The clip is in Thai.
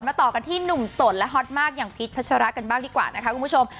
มาต่อกันที่หนุ่มสดแล้วฮอตมากพีทพัชรากันบ้างดีกว่านะคะคุณผู้ชม